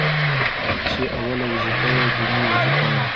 چي اوله وظيفه يې ديني وظيفه ده،